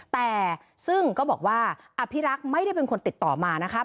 แต่ซึ่งก็บอกว่าอภิรักษ์ไม่ได้เป็นคนติดต่อมานะคะ